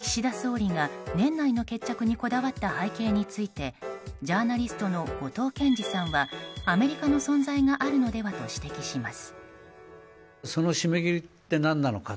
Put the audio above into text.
岸田総理が年内の決着にこだわった背景についてジャーナリストの後藤謙次さんはアメリカの存在があるのではと指摘します。